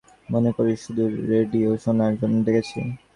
মনে করেছিস শুধু রেডিও শোনার জন্য ডেকেছি।